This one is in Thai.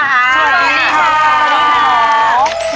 สวัสดีค่ะ